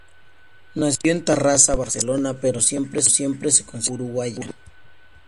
Nació en Tarrasa, Barcelona, pero siempre se consideró uruguaya.